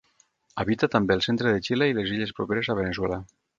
Habita també el centre de Xile i les illes properes a Veneçuela.